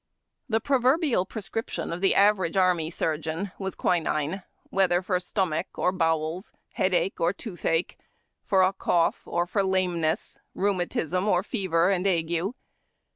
The proverbial prescription of the average army surgeon was quinine, whether for stomach or bowels, headache or 1T6 HARD TACK AND COFFEE. toothache, for a cough or for lameness, rheumatism or fever and ague.